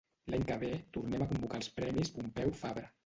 L'any que ve tornem a convocar els premis Pompeu Fabra.